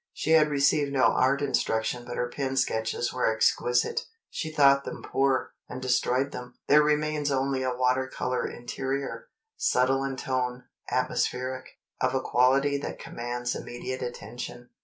She had received no art instruction but her pen sketches were exquisite. She thought them poor, and destroyed them. There remains only a water color interior—subtle in tone, atmospheric—of a quality that commands immediate attention.